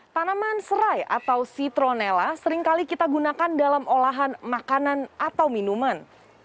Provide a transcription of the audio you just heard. tanaman serai atau citronella seringkali kita gunakan dalam olahan makanan atau minuman